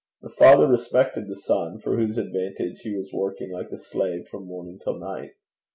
The father respected the son for whose advantage he was working like a slave from morning till night.